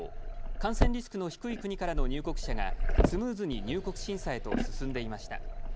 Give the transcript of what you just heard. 感染リスクの低い国からの入国者がスムーズに入国審査へと進んでいました。